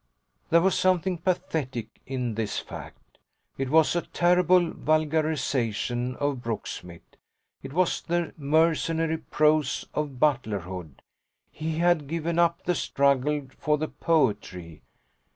There was something pathetic in this fact it was a terrible vulgarisation of Brooksmith. It was the mercenary prose of butlerhood; he had given up the struggle for the poetry.